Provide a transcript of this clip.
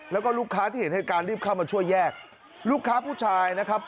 แล้วก็ลูกค้าที่เห็นเหตุการณ์รีบเข้ามาช่วยแยกลูกค้าผู้ชายนะครับ